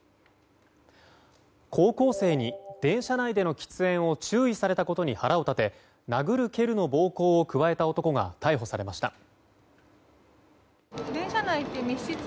高校生に電車内での喫煙を注意されたことに腹を立て殴る蹴るの暴行を加えた男が逮捕されました。